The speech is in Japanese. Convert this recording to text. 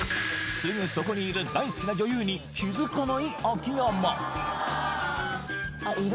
すぐそこにいる大好きな女優に気づかない秋山あっ色？